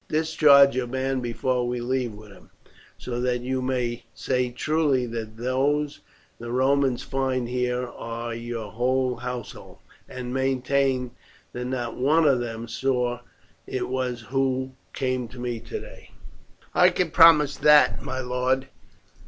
Discharge your man before we leave with him, so that you may say truly that those the Romans find here are your whole household, and maintain that not one of them saw who it was who came to me today." "I can promise that, my lord.